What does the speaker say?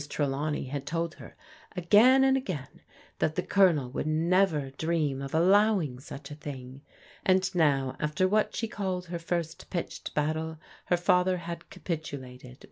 Trdawney had told her, again and again, that the Colonel would never dream of allowing such a thing, and now after what she called her first pitched battle, her father had capitulated with